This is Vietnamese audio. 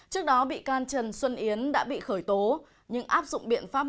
trước đó bị can trần xuân yến đã bị khởi tố nhưng áp dụng biện pháp